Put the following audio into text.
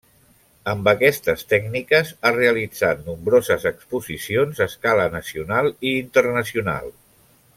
Amb aquestes tècniques ha realitzat nombroses exposicions a escala nacional i internacional.